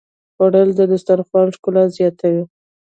خوړل د دسترخوان ښکلا زیاتوي